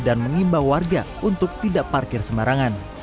dan mengimbau warga untuk tidak parkir semarangan